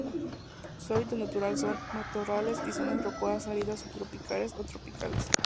Su hábitat natural son: matorrales y zonas rocosas áridas subtropicales o tropicales.